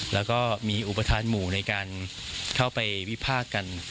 แล้วก็มีอุปทานหมู่ในการเข้าไปวิพากษ์กัน